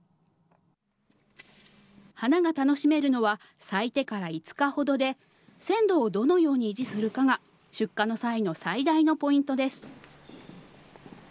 花が楽しめるのは咲いてから５日ほどで、鮮度をどのように維持するかが出荷の際の最大のポイントです。